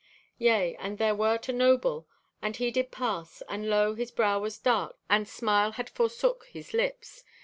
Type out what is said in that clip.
"Yea, and there wert a noble, and he did pass, and lo, his brow was darked, and smile had forsook his lips.